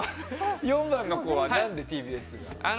４番の子は、なんでＴＢＳ？